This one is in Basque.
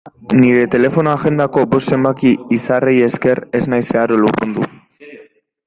Nire telefono-agendako bost zenbaki izarrei esker ez naiz zeharo lurrundu.